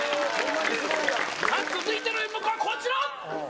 続いての演目はこちら。